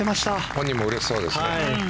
本人もうれしそうですね。